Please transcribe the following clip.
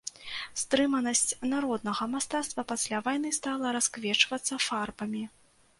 Стрыманасць народнага мастацтва пасля вайны стала расквечвацца фарбамі.